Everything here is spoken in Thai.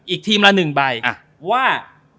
อีกทีมละ๑ใบว่า